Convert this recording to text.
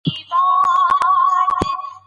زغال د افغانستان د بشري فرهنګ برخه ده.